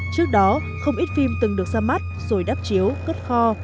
trước đó không ít phim từng được ra mắt rồi đắp chiếu cất kho